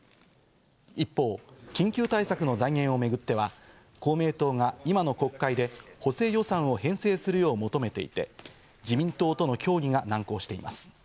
一方、緊急対策の財源をめぐっては公明党が今の国会で補正予算を編成するよう求めていて、自民党との協議が難航しています。